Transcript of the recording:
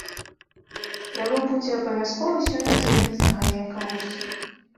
Трэба будзе абавязкова сёння зрабіць наганяй камусьці.